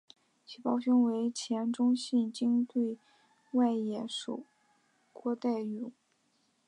其胞兄为前中信鲸队外野手郭岱咏。